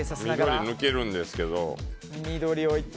緑抜けるんですけど。